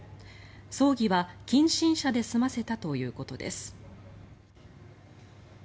葬儀は近親者で済ませたということです。